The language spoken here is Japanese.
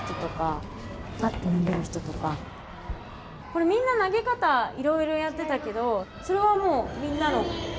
これみんな投げ方いろいろやってたけどそれはもうみんなの。